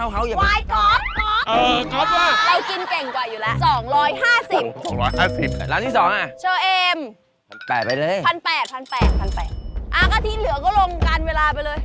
ก็ที่เหลือก็ลงกันเวลาไปเลย